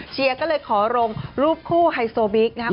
เชียร์ก็เลยขอลงรูปคู่ไฮโซบิ๊กนะครับ